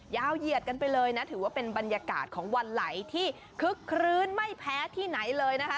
เหยียดกันไปเลยนะถือว่าเป็นบรรยากาศของวันไหลที่คึกคลื้นไม่แพ้ที่ไหนเลยนะคะ